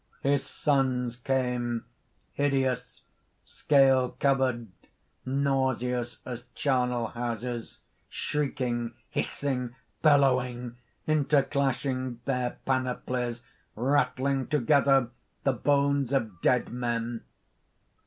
"His sons came, hideous, scale covered, nauseous as charnel houses, shrieking, hissing, bellowing; interclashing their panoplies, rattling together the bones of dead men.